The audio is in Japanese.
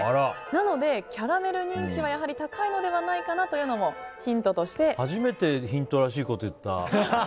なので、キャラメル人気はやはり高いのではないかというのも初めてヒントらしいことを言った。